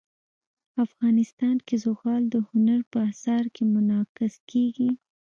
افغانستان کې زغال د هنر په اثار کې منعکس کېږي.